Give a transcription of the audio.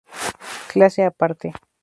Clase Aparte".